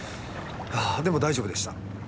でも大丈夫でした。